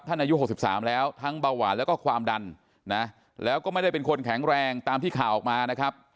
อายุ๖๓แล้วทั้งเบาหวานแล้วก็ความดันนะแล้วก็ไม่ได้เป็นคนแข็งแรงตามที่ข่าวออกมานะครับ